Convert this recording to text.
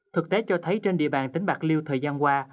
thực tế cho thấy trên địa bàn tỉnh bạc liêu thời gian qua